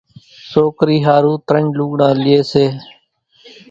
ماوتر سوڪري ۿارُو ترڃ لوڳڙان لئي سي